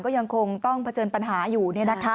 ก็ยังคงต้องเผชิญปัญหาอยู่